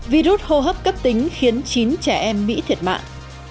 virus hô hấp cấp tính khiến chín trẻ em mỹ thiệt mạng